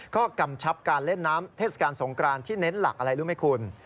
ก็กำชับการเล่นน้ำเทศกาลสงกรานที่เน้นหลักอะไรรู้ไหมคุณ